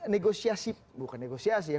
negosiasi bukan negosiasi ya